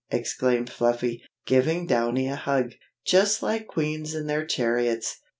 exclaimed Fluffy, giving Downy a hug. "Just like queens in their chariots.